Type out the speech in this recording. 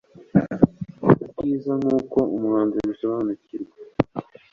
Ubwizankuko umuhanzi abisobanukirwa